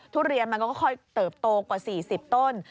ทุเรียนมันก็ค่อยเติบโตกว่า๔๐ต้น